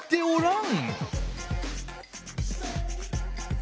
ん？